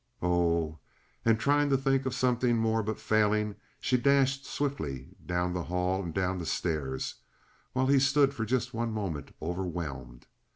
Oh—" And, trying to think of something more, but failing, she dashed swiftly down the hall and down the stairs, while he stood for just one moment overwhelmed.